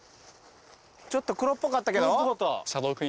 ちょっと黒っぽかったけど。